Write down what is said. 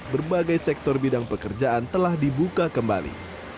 berbagai sektor bidang pekerjaan telah dibuka kembali